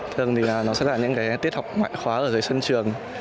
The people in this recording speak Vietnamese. thường thì nó sẽ là những tiết học ngoại khóa ở dưới sân trường